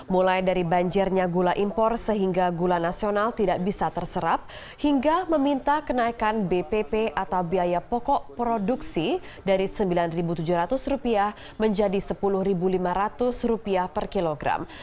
mulai dari banjirnya gula impor sehingga gula nasional tidak bisa terserap hingga meminta kenaikan bpp atau biaya pokok produksi dari rp sembilan tujuh ratus menjadi rp sepuluh lima ratus per kilogram